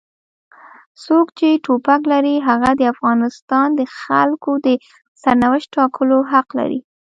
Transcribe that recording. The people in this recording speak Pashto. څوک چې ټوپک لري هغه د افغانستان د خلکو د سرنوشت ټاکلو حق لري.